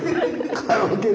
カラオケで。